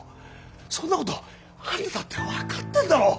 そんなことあんただって分かってんだろ。